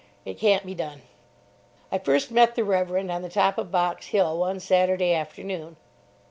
It can't be done. I first met the Reverend on the top of Box Hill one Saturday afternoon.